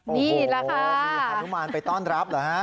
นี่แหละค่ะมีฮานุมานไปต้อนรับเหรอฮะ